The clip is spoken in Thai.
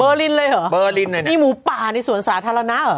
เบอร์ลินเลยหรอนี่หมูปลานี่สวนสาธารณะหรอ